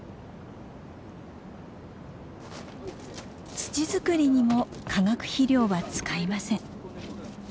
土作りにも化学肥料は使いません。